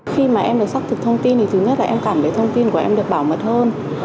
khi mà em được xác thực thông tin thì thứ nhất là em cảm thấy thông tin của em được bảo mật hơn